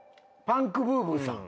パンクブーブーさん。